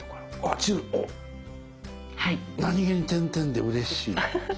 あ何気に点々でうれしい。